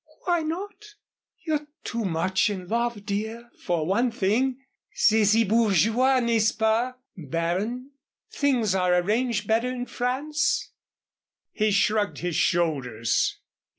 "Why not?" "You're too much in love, dear, for one thing. C'est si bourgeois n'est ce pas, Baron? Things are arranged better in France?" He shrugged his shoulders.